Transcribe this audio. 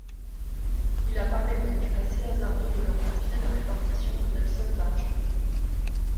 Il apparaît donc assez hasardeux de leur confier la répartition de telles sommes d’argent.